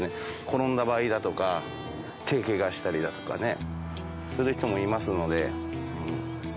転んだ場合だとか手ケガしたりだとかねする人もいますので。